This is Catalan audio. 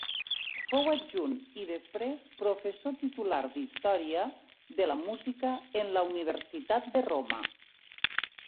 Fou adjunt i després professor titular d'història de la música en la Universitat de Roma.